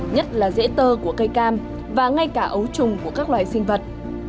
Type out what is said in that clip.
nhất là dễ tơ của cây cam và ngay cả ấu trùng của các loài sinh vật